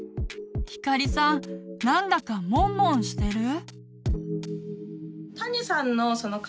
ひかりさんなんだかモンモンしてる？